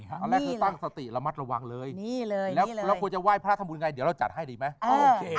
ตอนแรกคือตั้งสติระมัดระวังเลยนี่เลยแล้วเราควรจะไหว้พระทำบุญไงเดี๋ยวเราจัดให้ดีไหม